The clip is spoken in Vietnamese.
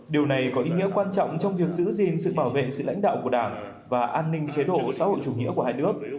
điều này có ý nghĩa quan trọng trong việc giữ gìn sự bảo vệ sự lãnh đạo của đảng và an ninh chế độ xã hội chủ nghĩa của hai nước